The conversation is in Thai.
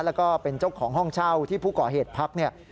แล้วก็เป็นเจ้าของห้องเช่าที่ผู้ก่อเหตุพักเนี่ย